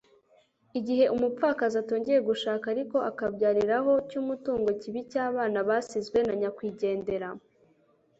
igihe umupfakazi atongeye gushaka ariko akabyarira aho cy'umutungo kiba icy'abana basizwe na nyakwigendera